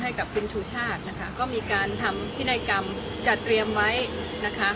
ให้กับคุณชูชาตินะคะก็มีการทำพินัยกรรมจัดเตรียมไว้นะคะ